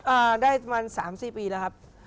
อ่าได้วัน๓๐ปีแล้วครับ